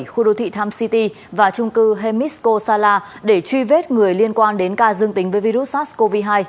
khu đô thị times city và trung cư hemisco sala để truy vết người liên quan đến ca dương tính với virus sars cov hai